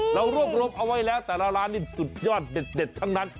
เรารวบรวมเอาไว้แล้วแต่ละร้านนี่สุดยอดเด็ดทั้งนั้น